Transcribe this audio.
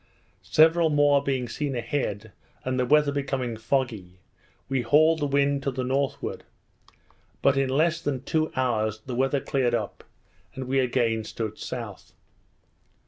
Several more being seen a head, and the weather becoming foggy, we hauled the wind to the northward; but in less than two hours, the weather cleared up, and we again stood south.